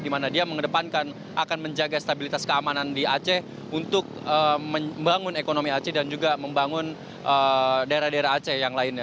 di mana dia mengedepankan akan menjaga stabilitas keamanan di aceh untuk membangun ekonomi aceh dan juga membangun daerah daerah aceh yang lainnya